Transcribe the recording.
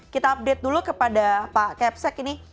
kita update dulu kepada pak kepsek ini